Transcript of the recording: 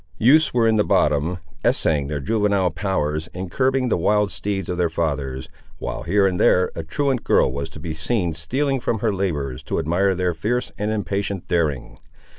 Youths were in the bottom, essaying their juvenile powers in curbing the wild steeds of their fathers, while here and there a truant girl was to be seen, stealing from her labours to admire their fierce and impatient daring.